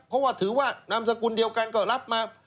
เพราะว่าถือว่านามสกุลเดียวกันก็รับมา